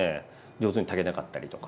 上手に炊けなかったりとか。